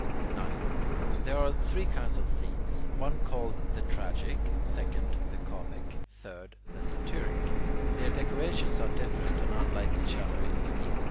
9. There are three kinds of scenes, one called the tragic, second, the comic, third, the satyric. Their decorations are different and unlike each other in scheme.